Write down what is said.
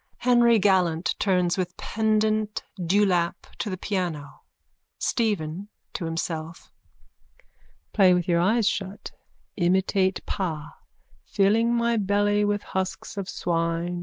Henry gallant turns with pendant dewlap to the piano.)_ STEPHEN: (To himself.) Play with your eyes shut. Imitate pa. Filling my belly with husks of swine.